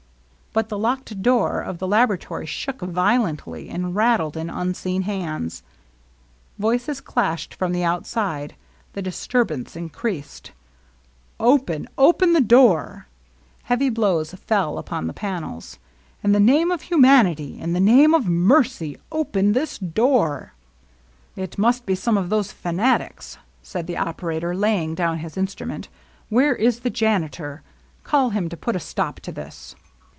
But the locked door of the laboratory shook vio lently, and rattled in unseen hands. Voices clashed from the ouWde. Th. di»turba„«, meteased. " Open ! Open the door !" Heavy blows fell upon the panels. « In the name of humaniiy, in the name of mercy, open this door !" "It must be some of those fanatics," said the operator, laying down his instrument. " Where is the janitor ? Call him to put a stop to this."